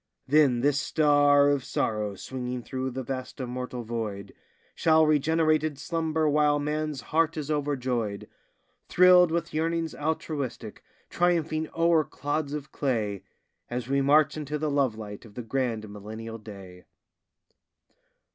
Then this star of sorrow swinging through the vast immortal void Shall, regenerated, slumber while man's heart is overjoyed, Thrilled with yearnings altruistic, triumphing o'er clods of clay, As we march into the love light of the grand Millennial day.